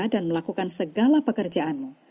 dan melakukan segala pekerjaanmu